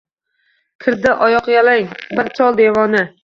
Kirdi oyoqyalang bir chol – devona.